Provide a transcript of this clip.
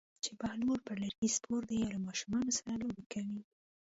چې بهلول پر لرګي سپور دی او له ماشومانو سره لوبې کوي.